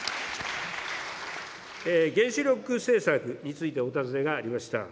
原子力政策についてお尋ねがありました。